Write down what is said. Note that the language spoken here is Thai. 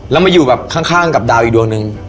แล้วมาอยู่แบบข้างกับดาวอีกดวงนึง